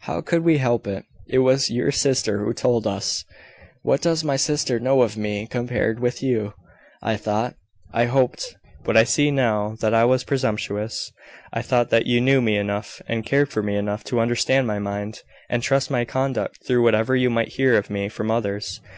"How could we help it? It was your sister who told us." "What does my sister know of me compared with you? I thought I hoped but I see now that I was presumptuous I thought that you knew me enough, and cared for me enough, to understand my mind, and trust my conduct through whatever you might hear of me from others.